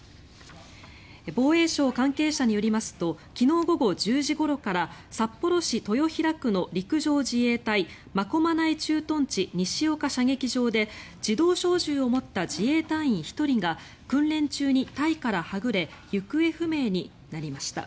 防衛省関係者によりますと昨日午後１０時ごろから札幌市豊平区の陸上自衛隊真駒内駐屯地西岡射撃場で自動小銃を持った自衛隊員１人が訓練中に隊からはぐれ行方不明になりました。